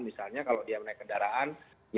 misalnya kalau dia menaik kendaraan